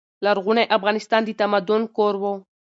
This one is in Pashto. لرغونی افغانستان د تمدن کور و.